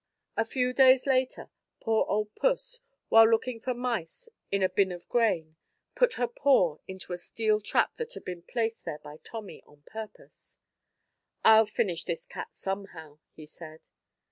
A few days later, poor old puss, while looking for mice in a bin of grain, put her paw into a steel trap that had been placed there by Tommy, on purpose. "I'll finish this cat somehow," he said.